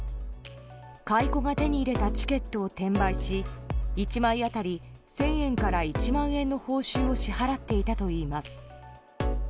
買い子が手に入れたチケットを転売し、１枚当たり１０００円から１万円の報酬を支払っていたといいます。